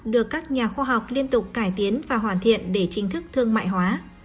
được các nhà khoa học liên tục cải tiến và hoàn thiện để chính thức thương mại hóa